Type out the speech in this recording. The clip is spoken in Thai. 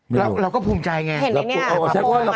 พร้อมแฟนคอปจะทำอะไรให้พวกเค้าทำตารางเรา